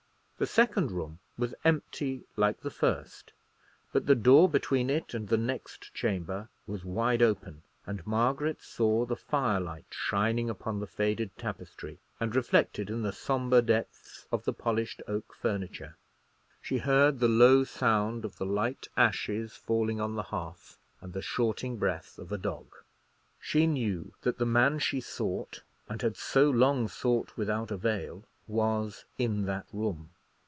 The second room was empty like the first; but the door between it and the next chamber was wide open, and Margaret saw the firelight shining upon the faded tapestry, and reflected in the sombre depths of the polished oak furniture. She heard the low sound of the light ashes falling on the hearth, and the shorting breath of a dog. She knew that the man she sought, and had so long sought without avail, was in that room.